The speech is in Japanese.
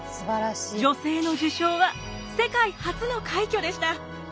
女性の受賞は世界初の快挙でした。